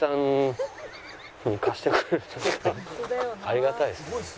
ありがたいですね。